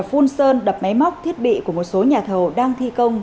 phun sơn đập máy móc thiết bị của một số nhà thầu đang thi công